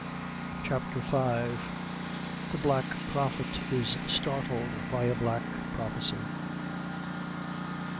CHAPTER V. The Black Prophet is Startled by a Black Prophecy.